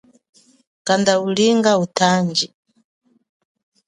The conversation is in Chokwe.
Kanda ulinga utanji.